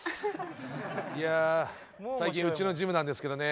いや最近うちのジムなんですけどね